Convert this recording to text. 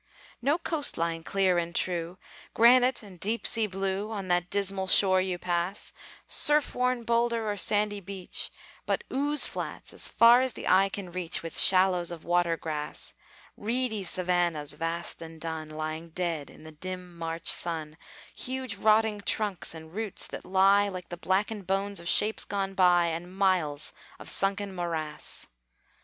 No coast line clear and true, Granite and deep sea blue, On that dismal shore you pass, Surf worn boulder or sandy beach, But ooze flats as far as the eye can reach, With shallows of water grass; Reedy Savannahs, vast and dun, Lying dead in the dim March sun; Huge, rotting trunks and roots that lie Like the blackened bones of shapes gone by, And miles of sunken morass.